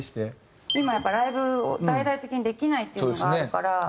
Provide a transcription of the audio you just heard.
今やっぱライブを大々的にできないっていうのがあるから。